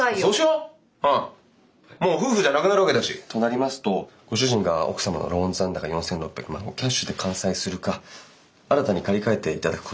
うんもう夫婦じゃなくなるわけだし。となりますとご主人が奥様のローン残高４，６００万をキャッシュで完済するか新たに借り換えていただくことになりますが。